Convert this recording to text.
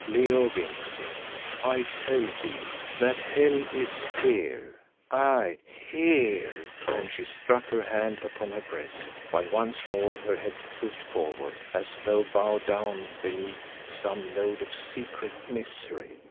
Leo Vincey, I tell thee that hell is here, aye, here," and she struck her hand upon her breast, while once more her head drooped forward as though bowed down beneath some load of secret misery.